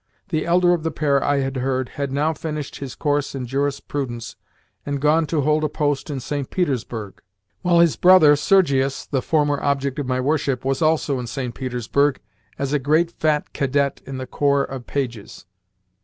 The elder of the pair, I had heard, had now finished his course in jurisprudence, and gone to hold a post in St. Petersburg, while his brother Sergius (the former object of my worship) was also in St. Petersburg, as a great fat cadet in the Corps of Pages.